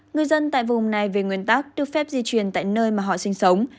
người dân tại vùng này về nguyên tắc được phép di chuyển tại nơi mà họ sinh sống